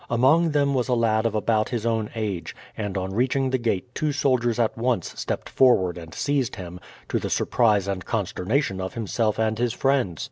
Among them was a lad of about his own age; and on reaching the gate two soldiers at once stepped forward and seized him, to the surprise and consternation of himself and his friends.